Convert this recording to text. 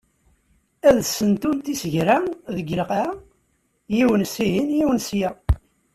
Ad sentunt isegra deg lqaɛa, yiwen sihin, yiwen sya.